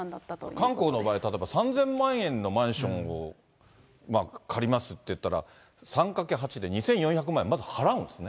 韓国の場合、例えば、３０００万円のマンションを借りますっていったら、３かけ８で、２４００万円、まず払うんですね。